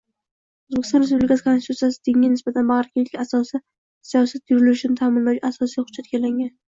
Oʻzbekiston Respublikasi Konstitutsiyasi dinga nisbatan bagʻrikenglik asosida siyosat yuritilishini taʼminlovchi asosiy hujjatga aylangan.